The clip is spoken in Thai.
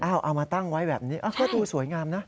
เอามาตั้งไว้แบบนี้ก็ดูสวยงามนะ